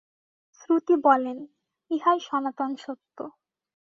শ্রুতি বলেন, ইহাই সনাতন সত্য।